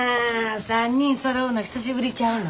３人そろうの久しぶりちゃうの？